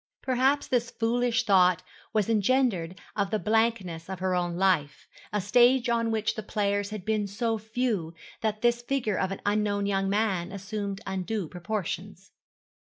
Perhaps this foolish thought was engendered of the blankness of her own life, a stage on which the players had been so few that this figure of an unknown young man assumed undue proportions.